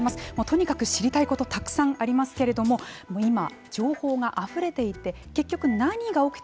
とにかく知りたいことたくさんありますけれども今情報があふれていて結局何が起きているのか